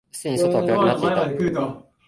すでに外は暗くなっていた。